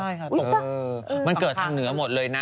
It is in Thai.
ใช่ครับมันเกิดทางเหนือหมดเลยนะ